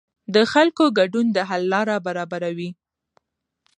د خلکو ګډون د حل لاره برابروي